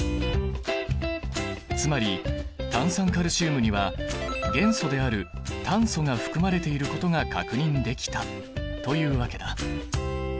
つまり炭酸カルシウムには元素である炭素が含まれていることが確認できたというわけだ。